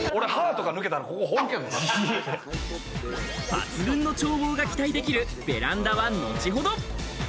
抜群の眺望が期待できるベランダは後ほど。